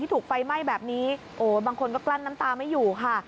ถูกไฟไหม้แบบนี้โอ้บางคนก็กลั้นน้ำตาไม่อยู่ค่ะ